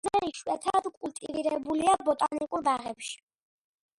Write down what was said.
ძალზე იშვიათად კულტივირებულია ბოტანიკურ ბაღებში.